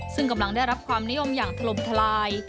ซึ่งกำลังได้รับความนิยมอย่างถล่มทลาย